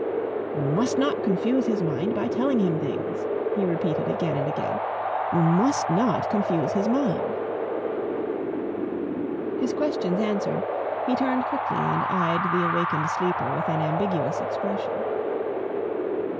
"You must not confuse his mind by telling him things," he repeated again and again. "You must not confuse his mind." His questions answered, he turned quickly and eyed the awakened sleeper with an ambiguous expression.